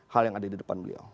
hal yang ada di depan beliau